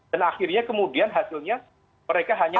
dan akhirnya kemudian hasilnya mereka hanya